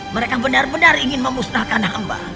mereka benar benar ingin memusnahkan hamba